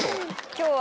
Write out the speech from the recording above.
今日は。